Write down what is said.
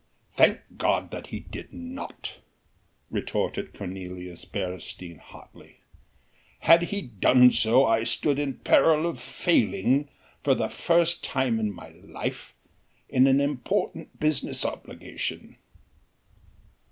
"Thank God that he did not," retorted Cornelius Beresteyn hotly, "had he done so I stood in peril of failing for the first time in my life in an important business obligation."